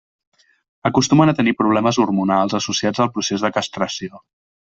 Acostumen a tenir problemes hormonals associats al procés de castració.